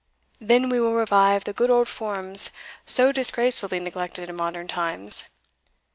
Then we will revive the good old forms so disgracefully neglected in modern times.